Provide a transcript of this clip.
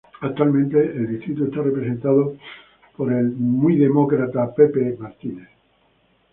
Actualmente el distrito está representado por el Demócrata Jim Cooper.